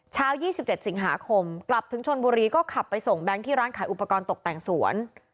๒๗สิงหาคมกลับถึงชนบุรีก็ขับไปส่งแบงค์ที่ร้านขายอุปกรณ์ตกแต่งสวน